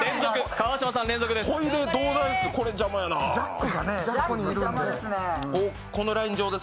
川島さん、連続です。